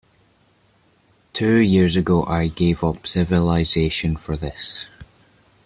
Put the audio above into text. Two years ago I gave up civilization for this.